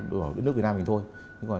đối với đất nước việt nam thì thôi